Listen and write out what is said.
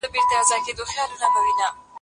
ټول یخ نیولي اشیانې ته درومي